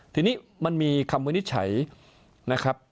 ทีนี้มันมีคำวินิจฉัยนะครับ